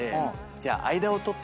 じゃあ。